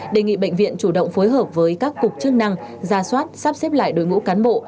đề nghị bệnh viện chủ động phối hợp với các cục chức năng ra soát sắp xếp lại đối ngũ cán bộ